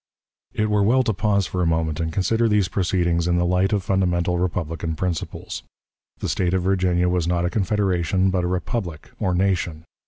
It were well to pause for a moment and consider these proceedings in the light of fundamental republican principles. The State of Virginia was not a confederation, but a republic, or nation.